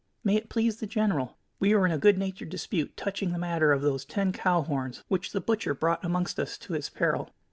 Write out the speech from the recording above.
"May it please the general, we were in a good natured dispute touching the matter of those ten cow horns which the butcher brought amongst us to his peril.